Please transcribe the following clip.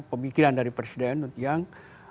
pemikiran dari presiden yang